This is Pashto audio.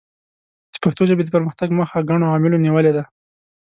د پښتو ژبې د پرمختګ مخه ګڼو عواملو نیولې ده.